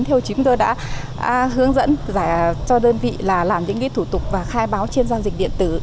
theo chúng tôi đã hướng dẫn cho đơn vị là làm những thủ tục và khai báo trên giao dịch điện tử